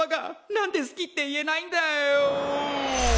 何で好きって言えないんだよ。